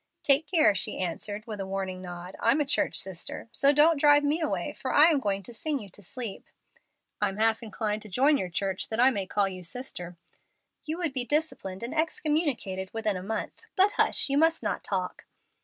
"Take care!" she answered, with a warning nod, "I'm a church sister; so don't drive me away, for I am going to sing you to sleep." "I'm half inclined to join your church that I may call you sister." "You would be disciplined and excommunicated within a month. But hush; you must not talk."